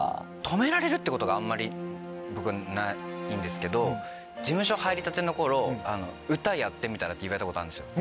止められるっていうことがあんまり僕はないんですけど事務所入りたての頃。って言われたことあるんですよ